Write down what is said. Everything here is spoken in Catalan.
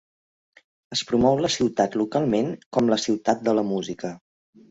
Es promou la ciutat localment com la "ciutat de la música".